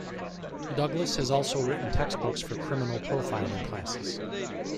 Douglas has also written textbooks for criminal profiling classes.